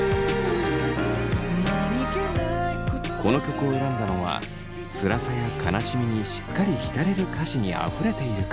この曲を選んだのはつらさや悲しみにしっかり浸れる歌詞にあふれているから。